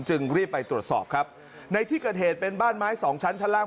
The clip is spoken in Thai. จึงรีบไปตรวจสอบครับในที่เกิดเหตุเป็นบ้านไม้สองชั้นชั้นล่าง